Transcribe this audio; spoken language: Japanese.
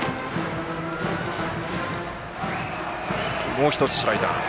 もう１つ、スライダー。